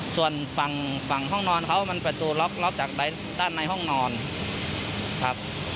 ส่วนฝั่งห้องนอนเขามันประตูล็อกจากด้านในห้องนอนครับ